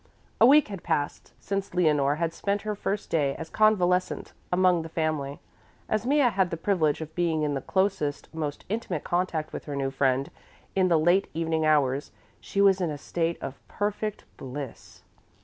A week had passed since Leonore had spent her first day as convalescent among the family. As Mea had the privilege of being in the closest, most intimate contact with her new friend in the late evening hours, she was in a state of perfect bliss.